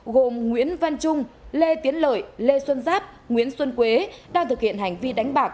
gồm nguyễn văn trung lê tiến lợi lê xuân giáp nguyễn xuân quế đang thực hiện hành vi đánh bạc